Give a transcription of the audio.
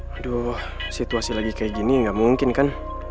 waduh situasi lagi kayak gini gak mungkin kan